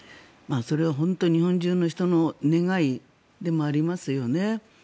それは本当に日本中の人の願いでもありますよね。